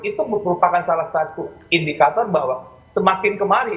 itu merupakan salah satu indikator bahwa semakin kemarin